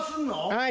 はい。